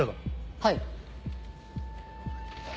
はい。